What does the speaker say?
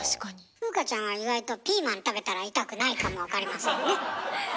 風花ちゃんは意外とピーマン食べたら痛くないかもわかりませんね。